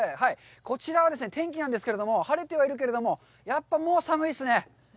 こちらは天気なんですけれども、晴れてはいるけれどもやっぱもう寒いっすね。